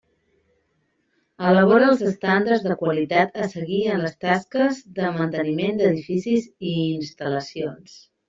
Elabora els estàndards de qualitat a seguir en les tasques de manteniment d'edificis i instal·lacions.